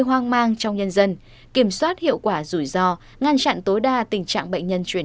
hoang mang trong nhân dân kiểm soát hiệu quả rủi ro ngăn chặn tối đa tình trạng bệnh nhân chuyển